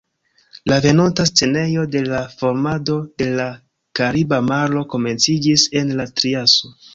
La venonta scenejo de la formado de la Kariba maro komenciĝis en la Triaso.